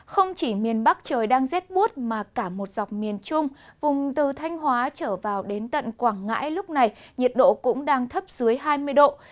không chỉ miền bắc trời đang rét bút mà cả một dọc miền trung vùng từ thanh hóa trở vào đến tận quảng ngãi lúc này nhiệt độ cũng đang thấp dưới hai mươi độ